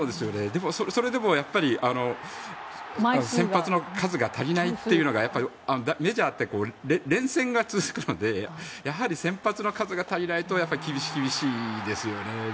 それでもやっぱり先発の数が足りないというのがやっぱりメジャーって連戦が続くのでやはり先発の数が足りないと厳しいですよね。